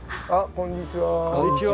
こんにちは。